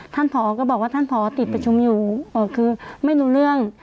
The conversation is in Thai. ผอก็บอกว่าท่านผอติดประชุมอยู่คือไม่รู้เรื่อง